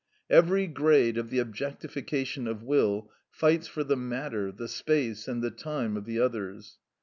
Every grade of the objectification of will fights for the matter, the space, and the time of the others.